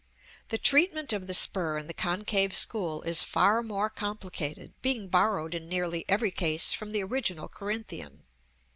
The treatment of the spur in the concave school is far more complicated, being borrowed in nearly every case from the original Corinthian.